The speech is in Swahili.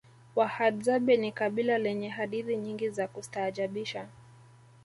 wahadzabe ni kabila lenye hadithi nyingi za kustaajabisha